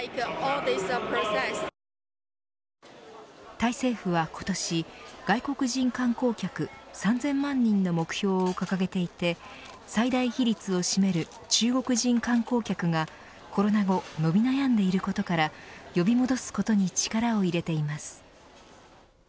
タイ政府は今年外国人観光客３０００万人の目標を掲げていて最大比率を占める中国人観光客がコロナ後伸び悩んでいることから呼び戻すことに力を入れています。